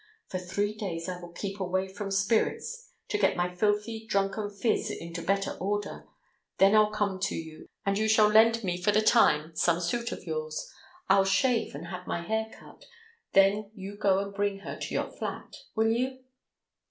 For three days I will keep away from spirits, to get my filthy, drunken phiz into better order. Then I'll come to you, and you shall lend me for the time some suit of yours; I'll shave and have my hair cut, then you go and bring her to your flat. Will you?"